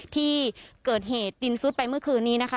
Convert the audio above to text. ที่เกิดเหตุดินซุดไปเมื่อคืนนี้นะคะ